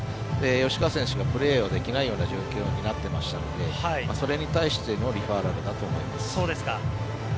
吉川選手がプレーできないような状況になっていましたのでそれに対してのリファーラルだと思います。